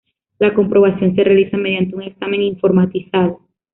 La comprobación se realiza mediante un examen informatizado.